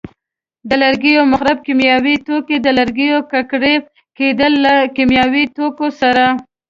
د لرګیو مخرب کیمیاوي توکي: د لرګیو ککړ کېدل له کیمیاوي توکو سره.